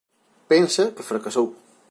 Pensa que fracasou.